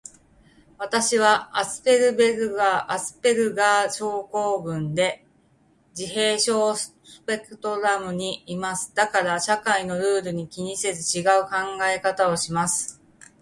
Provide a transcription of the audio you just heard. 私はアスペルガー症候群で、自閉症スペクトラムにいます。だから社会のルールを気にせず、ちがう考え方をします。